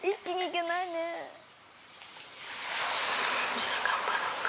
じゃあ頑張ろうか。